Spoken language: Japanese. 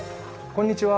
こんにちは。